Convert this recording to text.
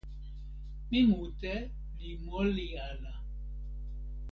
mi mute li moli ala.